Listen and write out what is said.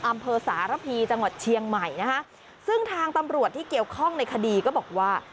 อำเภอสารพีจังหวัดเชียงใหม่นะคะซึ่งทางตำรวจที่เกี่ยวข้องในคดีก็บอกว่า